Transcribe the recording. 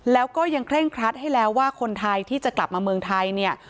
แล้วก็ยังเคร่งครัดให้แล้วว่าคนไทยที่จะกลับมาเมืองไทยเนี่ย